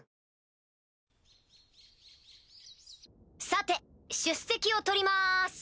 さて出席を取ります。